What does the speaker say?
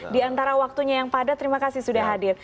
di antara waktunya yang padat terima kasih sudah hadir